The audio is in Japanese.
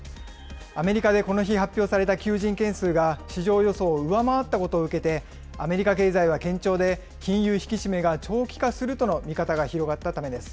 アメリカでこの日発表された求人件数が市場予想を上回ったことを受けて、アメリカ経済は堅調で、金融引き締めが長期化するとの見方が広がったためです。